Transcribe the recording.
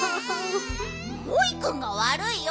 モイくんがわるいよ！